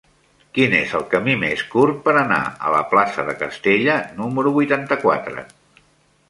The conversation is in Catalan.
Quin és el camí més curt per anar a la plaça de Castella número vuitanta-quatre?